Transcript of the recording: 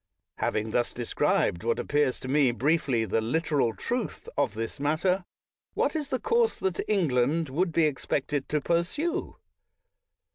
Having thus described what appears to me briefly the literal truth of this matter, what is the course that England would be expected to pursue?